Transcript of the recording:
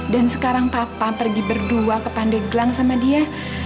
dan sekarang papa pergi berdua ke pandeglang sama dia